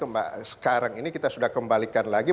mbak sekarang ini kita sudah kembalikan lagi